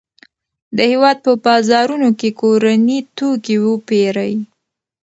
د هېواد په بازارونو کې کورني توکي وپیرئ.